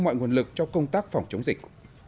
mọi nguồn lực cho công tác phòng chống dịch